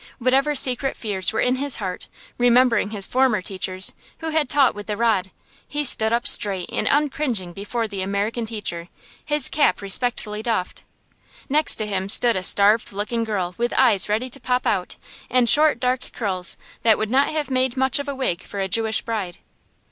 Whatever secret fears were in his heart, remembering his former teachers, who had taught with the rod, he stood up straight and uncringing before the American teacher, his cap respectfully doffed. Next to him stood a starved looking girl with eyes ready to pop out, and short dark curls that would not have made much of a wig for a Jewish bride.